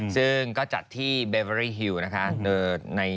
ซึ่งก็จัดที่เบเบอรี่ฮิวนะคะ